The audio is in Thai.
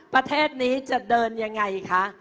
ประเทศนี้จะเดินยังไงคะ